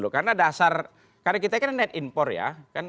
karena kita kan net import ya